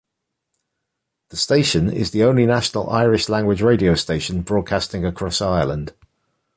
The station is the only national Irish-language radio station broadcasting across Ireland.